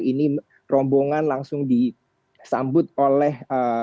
ini rombongan langsung disambut oleh